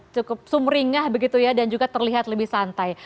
cukup sumringah begitu ya dan juga terlihat lebih santai